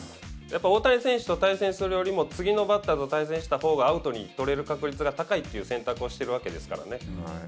大谷選手と対戦するよりも次のバッターと対戦したほうがアウトを取れる確率が高いという選択をしてるわけですからね。